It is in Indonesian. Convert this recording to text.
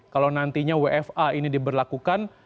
kalau nantinya wfa ini diberlakukan